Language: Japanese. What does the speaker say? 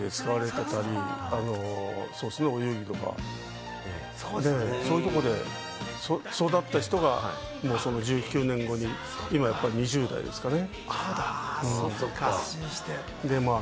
１９年前は幼稚園で運動会で使われてたり、そうですね、お遊戯とか、そういうところで育った人が１９年後に今、やっぱり２０代ですかね。